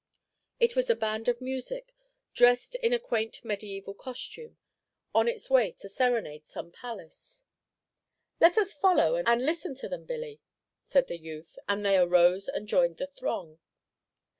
It was a band of music, dressed in a quaint mediaeval costume, on its way to serenade some palace. "Let us follow and listen to them, Billy," said the youth; and they arose and joined the throng.